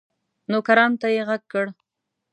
نوکرانو ته یې ږغ کړل